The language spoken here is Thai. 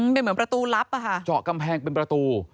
เป็นเหมือนประตูลับอะค่ะเจาะกำแพงเป็นประตู